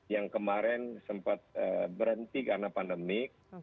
yang kemarin sempat berhenti karena pandemik